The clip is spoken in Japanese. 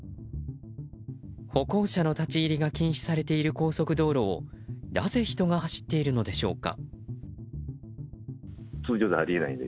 歩行者の立ち入りが禁止されている高速道路をなぜ、人が走っているのでしょうか。